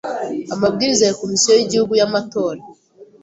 Amabwiriza ya Komisiyo y Igihugu y Amatora